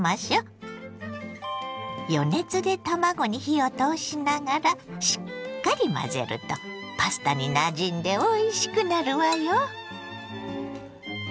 余熱で卵に火を通しながらしっかり混ぜるとパスタになじんでおいしくなるわよ。